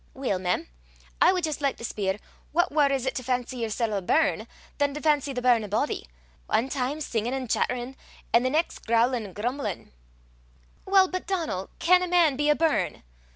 "Weel, mem, I wad jist like to speir what waur it is to fancy yersel' a burn, than to fancy the burn a body, ae time singin' an' chatterin', an' the neist growlin' an' grum'lin'." "Well, but, Donal, can a man be a burn?"